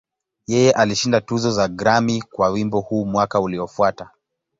Yeye alishinda tuzo ya Grammy kwa wimbo huu mwaka uliofuata.